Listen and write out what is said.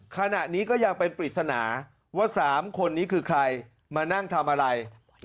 ขณะนี้ก็ยังเป็นปริศนาว่า๓คนนี้คือใครมานั่งทำอะไร